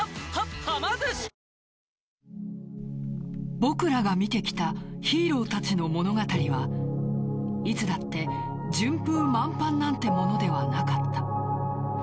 僕らが見てきたヒーローたちの物語はいつだって順風満帆なんてものではなかった。